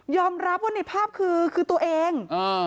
ยอมรับว่าในภาพคือตัวเอง